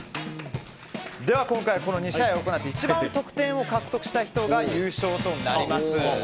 今回はこの２試合を行って一番得点を獲得した人が優勝となります。